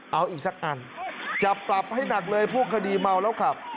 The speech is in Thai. เอาอีกสักอันจะปรับให้หนักเลยพวกคดีเมาแล้วขับ